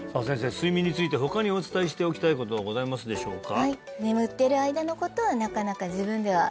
睡眠について他にお伝えしておきたいことはございますでしょうか？